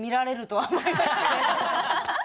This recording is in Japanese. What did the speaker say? はい。